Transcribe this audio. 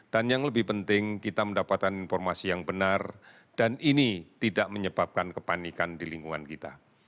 dan yang lebih penting kita mendapatkan informasi yang benar dan ini tidak menyebabkan kepanikan di lingkungan kita